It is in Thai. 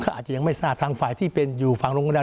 ก็อาจจะยังไม่ทราบทางฝ่ายที่เป็นอยู่ฝั่งโรงพยาบาล